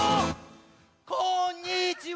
こんにちは！